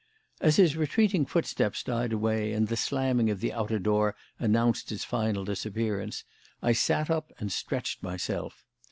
As his retreating footsteps died away and the slamming of the outer door announced his final disappearance, I sat up and stretched myself.